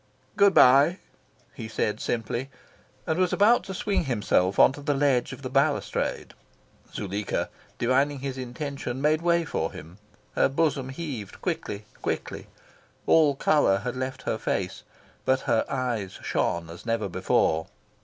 "Good bye," he said simply, and was about to swing himself on to the ledge of the balustrade. Zuleika, divining his intention, made way for him. Her bosom heaved quickly, quickly. All colour had left her face; but her eyes shone as never before.